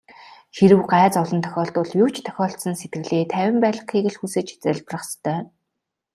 Хэрэв гай зовлон тохиолдвол юу ч тохиолдсон сэтгэлээ тайван байлгахыг л хүсэж залбирах ёстой.